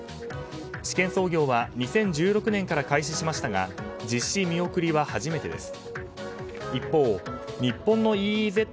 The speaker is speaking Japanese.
試験操業は２０１６年から開始しましたが実施見送りは初めてです。